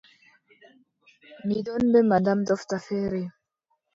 Mi ɗon bee madame dofta feere.